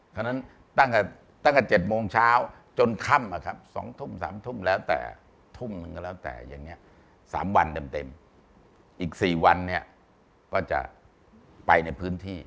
ฉะนั้นตั้งแต่๗โมงเช้าจนค่ำ๒ทุ่ม๓ทุ่มแล้วแต่ทุ่มหนึ่งก็แล้วแต่อย่างนี้๓วันเต็มอีก๔วันเนี่ยก็จะไปในพื้นที่